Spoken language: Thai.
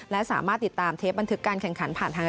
และสามารถติดตามเทปบันทึกการแข่งขันผ่านทาง